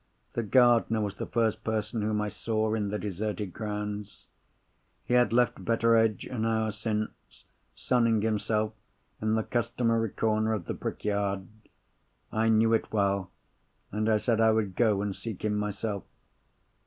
The gardener was the first person whom I saw in the deserted grounds. He had left Betteredge, an hour since, sunning himself in the customary corner of the back yard. I knew it well; and I said I would go and seek him myself.